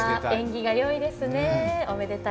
縁起がよいですね。